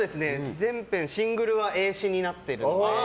全編シングルは英詞になってるので。